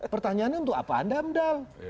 pertanyaannya untuk apaan damdal